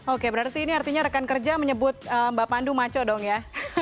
oke berarti ini artinya rekan kerja menyebut mbak pandu maco dong ya